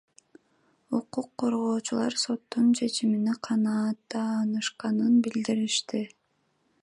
Укук коргоочулар соттун чечимине канааттанышканын билдиришти.